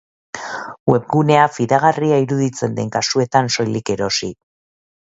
Webgunea fidagarria iruditzen den kasuetan soilik erosi.